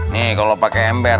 nih kalau pakai ember